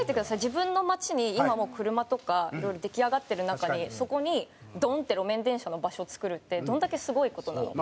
自分の街に今もう車とかいろいろ出来上がってる中にそこにドン！って路面電車の場所を造るってどんだけすごい事なのか。